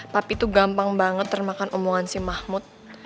papi tuh gampang banget termakan omongan si mahmud